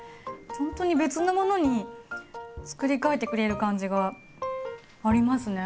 ほんとに別のものにつくり替えてくれる感じがありますね。